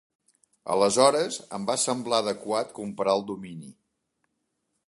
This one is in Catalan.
Aleshores em va semblar adequat comprar el domini.